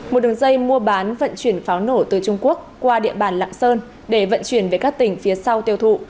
một đường dây mua bán vận chuyển pháo nổ từ trung quốc qua địa bàn lạng sơn để vận chuyển về các tỉnh phía sau tiêu thụ